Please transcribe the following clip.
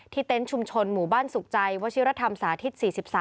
เต็นต์ชุมชนหมู่บ้านสุขใจวชิรธรรมสาธิต๔๓